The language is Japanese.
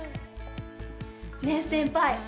ねえ先輩。